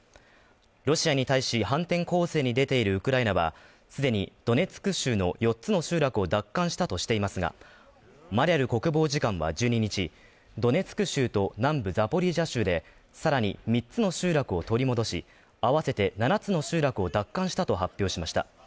ロシアに対し反転攻勢に出ているウクライナは既にドネツク州の４つの集落を奪還したとしていますが、マリャル国防次官は１２日、ドネツク州と南部ザポリージャ州で、さらに３つの集落を取り戻し、合わせて７つの集落を奪還したと発表しました。